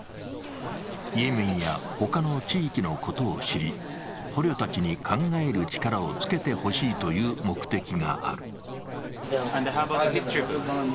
イエメンや他の地域のことを知り捕虜たちに考える力をつけてほしいという目的がある。